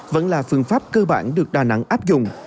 vẫn là phương pháp cơ bản được đà nẵng áp dụng